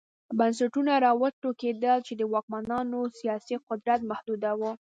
بنسټونه را وټوکېدل چې د واکمنانو سیاسي قدرت محدوداوه.